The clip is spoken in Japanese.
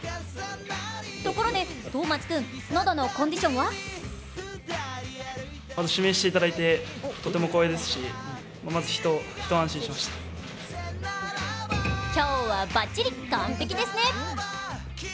ところで、東松君、喉のコンディションは？今日はバッチリ、完璧ですね。